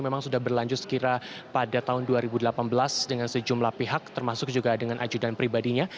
memang sudah berlanjut sekira pada tahun dua ribu delapan belas dengan sejumlah pihak termasuk juga dengan ajudan pribadinya